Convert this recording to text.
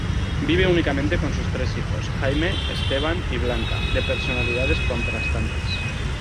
Vive únicamente con sus tres hijos, Jaime, Esteban y Blanca, de personalidades contrastantes.